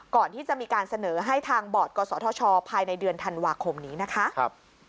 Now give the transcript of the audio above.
ก่อนที่จะมีการเสนอให้ทางบอร์ดกศธชภายในเดือนธันวาคมนี้นะคะ